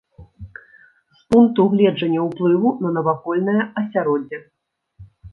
З пункту гледжання ўплыву на навакольнае асяроддзе.